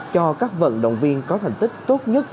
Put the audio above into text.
cho các vận động viên có thành tích tốt nhất